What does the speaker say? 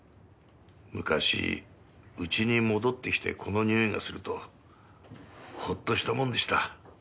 昔家に戻ってきてこのにおいがするとほっとしたもんでした。